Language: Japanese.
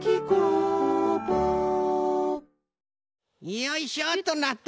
よいしょっとなっと！